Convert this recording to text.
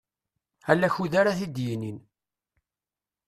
Ala akud ara t-id-yinin.